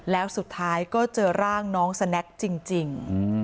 แล้วสุดท้ายก็เจอร่างน้องสแน็กจริง